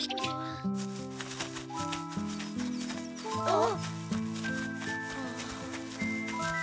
あっ。